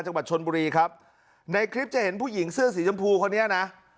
จังหวัดชนบุรีครับในคลิปจะเห็นผู้หญิงเสื้อสีชมพูคนนี้นะ